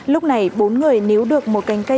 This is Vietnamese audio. lúc này bốn người níu được một cành cây